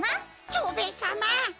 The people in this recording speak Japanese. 蝶兵衛さま。